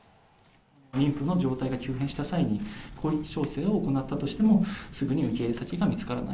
妊婦の状態が急変した際に、広域調整を行ったとしても、すぐに受け入れ先が見つからない。